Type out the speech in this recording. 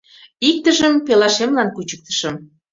Иктыжым пелашемлан кучыктышым.